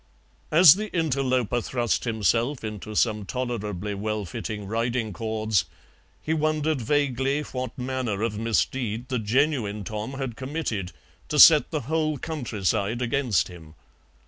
As the interloper thrust himself into some tolerably well fitting riding cords he wondered vaguely what manner of misdeed the genuine Tom had committed to set the whole countryside against him.